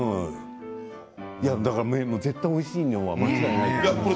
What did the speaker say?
だから絶対おいしいのは間違いないと思う。